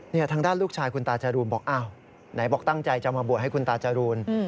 ทางด้านลูกชายคุณตาจรูนบอกอ้าวไหนบอกตั้งใจจะมาบวชให้คุณตาจรูน